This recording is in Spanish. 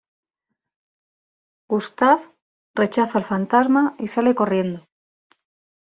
Gustave rechaza al Fantasma y sale corriendo.